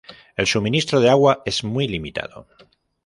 El suministro de agua es muy limitado.